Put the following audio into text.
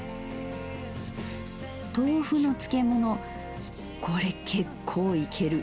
豆腐の漬物これ結構イケる。